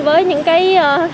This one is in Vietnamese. với những cái hệ thống